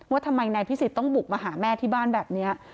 ว่าทำไมนายพิสิทธิ์ต้องบุกมาหาแม่ที่บ้านแบบนี้